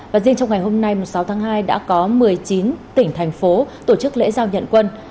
và riêng trong ngày hôm nay sáu tháng hai đã có một mươi chín tỉnh thành phố tổ chức lễ giao nhận quân